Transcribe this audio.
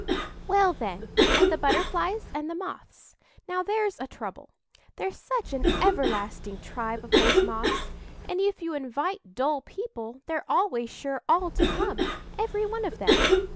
"Well, then, and the Butterflies and the Moths. Now, there's a trouble. There's such an everlasting tribe of those Moths; and if you invite dull people they're always sure all to come, every one of them.